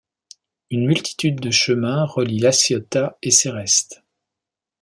Une multitude de chemins relient La Ciotat et Ceyreste.